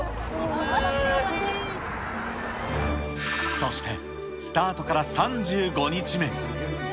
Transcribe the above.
そして、スタートから３５日目。